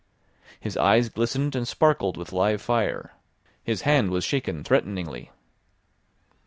His eyes glistened and sparkled with live fire, his hand was shaken threateningly.